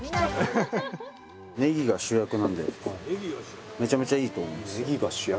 ねぎが主役なんでめちゃめちゃいいと思いますよ。